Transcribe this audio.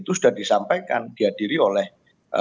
itu sudah disampaikan diadiri oleh para partai